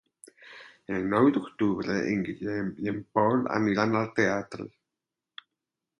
El nou d'octubre en Guillem i en Pol aniran al teatre.